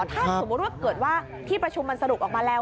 ถ้าสมมุติว่าเกิดว่าที่ประชุมมันสรุปออกมาแล้ว